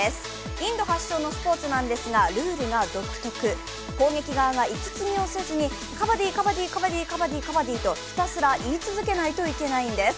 インド発祥のスポーツなんですがルールが独特、攻撃側が息継ぎをせずにカバディ、カバディとひたすら言い続けなくちゃいけないんです。